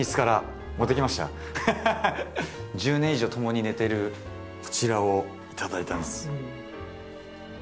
１０年以上ともに寝てるこちらを頂いたんです。